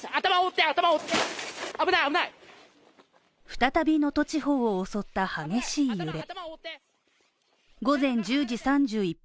再び能登地方を襲った激しい揺れ。